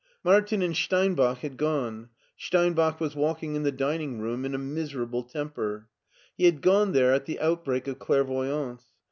Martin and •Steinbach had gone. Steinbach was walking in the dining room; in a miserable temper. He had gone there at the out break of clairvoyance.